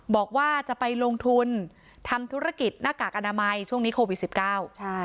บอกว่าจะไปลงทุนทำธุรกิจนาคากอนามัยช่วงนี้โควิด๑๙